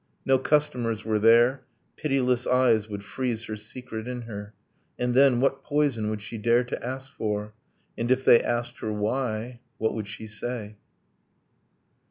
No customers were there, Pitiless eyes would freeze her secret in her! And then what poison would she dare to ask for? And if they asked her why, what would she say?